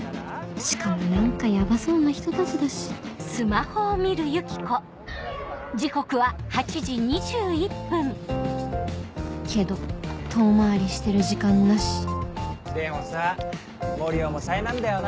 しかも何かヤバそうな人たちだしけど遠回りしてる時間なしでもさ森生も災難だよな